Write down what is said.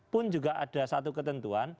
pun juga ada satu ketentuan